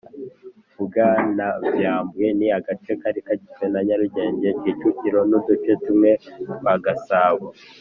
Ubwanavyambwe Ni agace kari kagizwe na Nyaugenge, Kicukiro n’uduce tumwe twa Gasabo